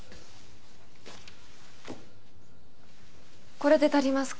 これで足りますか？